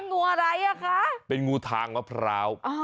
งูอะไรอ่ะคะเป็นงูทางมะพร้าว